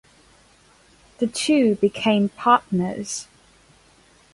The two became partners.